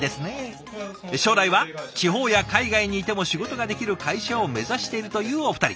将来は地方や海外にいても仕事ができる会社を目指しているというお二人。